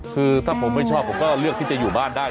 คือถ้าผมไม่ชอบผมก็เลือกที่จะอยู่บ้านได้